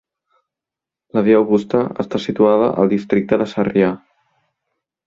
La Via Augusta està situada al districte de Sarrià.